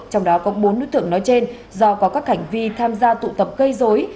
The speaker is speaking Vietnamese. trong đó có bốn đối tượng nói trên do có các hành vi tham gia tụ tập gây dối